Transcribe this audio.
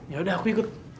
ya udah aku ikut